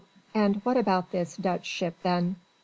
And what about this Dutch ship then?"